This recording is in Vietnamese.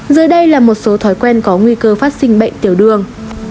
dưới đây là một số thói quen có nguy cơ phát sinh bệnh tiểu đường